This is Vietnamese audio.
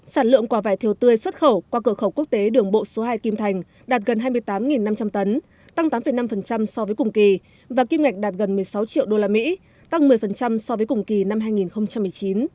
sản lượng quả vải thiều tươi xuất khẩu qua cửa khẩu quốc tế đường bộ số hai kim thành đạt gần hai mươi tám năm trăm linh tấn tăng tám năm so với cùng kỳ và kim ngạch đạt gần một mươi sáu triệu usd tăng một mươi so với cùng kỳ năm hai nghìn một mươi chín